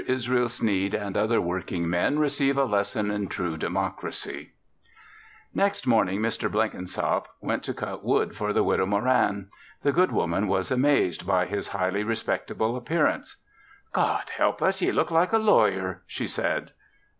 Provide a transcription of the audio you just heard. ISRAEL SNEED AND OTHER WORKING MEN RECEIVE A LESSON IN TRUE DEMOCRACY Next morning, Mr. Blenkinsop went to cut wood for the Widow Moran. The good woman was amazed by his highly respectable appearance. "God help us! Ye look like a lawyer," she said.